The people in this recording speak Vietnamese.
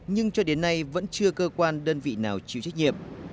nhưng cho đến nay vẫn chưa cơ quan đơn vị nào chịu trách nhiệm